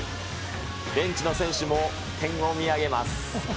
ベンチの選手も天を見上げます。